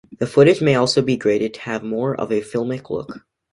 The footage may also be graded to have more of a filmic look.